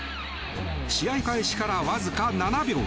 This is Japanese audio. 試合開始からわずか７秒。